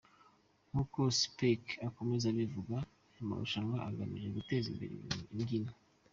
Nkuko Spikey akomeza abivuga aya marushanwa agamije guteza imbere imbyino.